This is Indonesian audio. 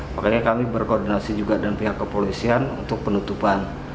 makanya kami berkoordinasi juga dengan pihak kepolisian